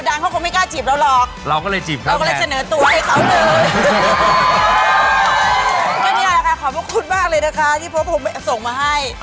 อันนี้เอาละค่ะขอบพระคุณมากเลยนะฮะที่พวกผมส่งมาให้